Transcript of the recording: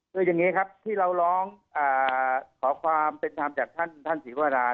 คืออย่างนี้ครับที่เราร้องขอความเป็นธรรมจากท่านศรีวรา